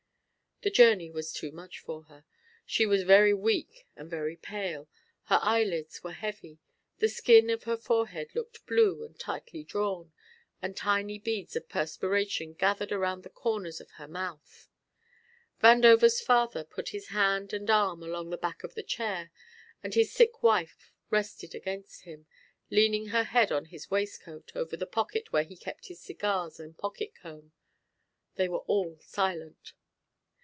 The journey was too much for her. She was very weak and very pale, her eyelids were heavy, the skin of her forehead looked blue and tightly drawn, and tiny beads of perspiration gathered around the corners of her mouth. Vandover's father put his hand and arm along the back of the chair and his sick wife rested against him, leaning her head on his waistcoat over the pocket where he kept his cigars and pocket comb. They were all silent.